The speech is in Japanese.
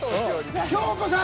京子さん！